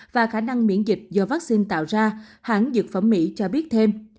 và khả năng miễn dịch do vaccine tạo ra hãng dược phẩm mỹ cho biết thêm